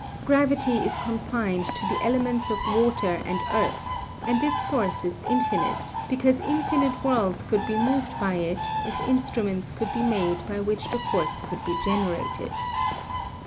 Gravity is confined to the elements of water and earth, and this force is infinite, because infinite worlds could be moved by it if instruments could be made by which the force could be generated.